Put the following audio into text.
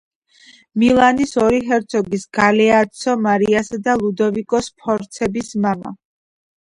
მილანის ორი ჰერცოგის: გალეაცო მარიასა და ლუდოვიკო სფორცების მამა.